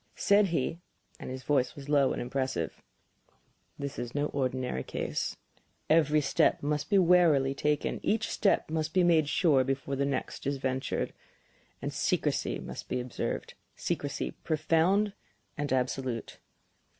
Said he and his voice was low and impressive: "This is no ordinary case. Every step must be warily taken; each step must be made sure before the next is ventured. And secrecy must be observed secrecy profound and absolute.